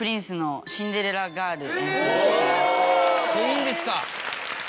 いいんですか。